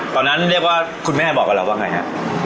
ตอนนั้นเรียกว่าคุณแม่บอกกับเราว่าไงฮะ